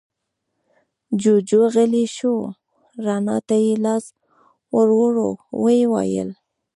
جوجُو غلی شو، رڼا ته يې لاس ور ووړ، ويې ويل: